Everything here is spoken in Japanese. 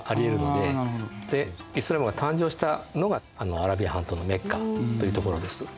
でイスラームが誕生したのがアラビア半島のメッカという所です。